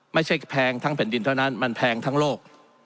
แพงทั้งแผ่นดินเท่านั้นมันแพงทั้งโลก